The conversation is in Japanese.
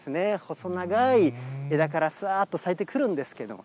細長い枝から、さーっと咲いてくるんですけれども。